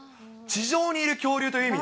地上にいる恐竜という意味。